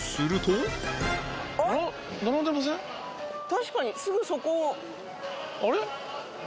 確かにすぐそこあれ？